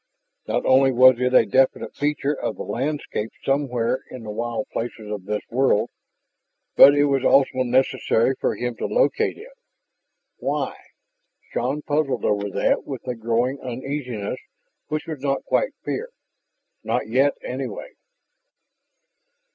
Not only was it a definite feature of the landscape somewhere in the wild places of this world, but it was also necessary for him to locate it. Why? Shann puzzled over that, with a growing uneasiness which was not quite fear, not yet, anyway.